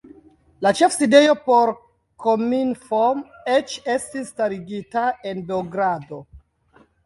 La ĉefsidejo por Cominform eĉ estis starigita en Beogrado.